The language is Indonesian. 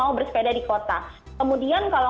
menjaga keamanan pesepeda di kota kemudian kalau